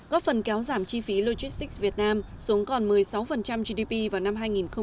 góp phần kéo giảm chi phí logistics việt nam xuống còn một mươi sáu gdp vào năm hai nghìn hai mươi